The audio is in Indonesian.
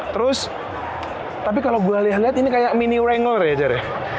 terus tapi kalau gue lihat ini kayak mini wrangler ya jari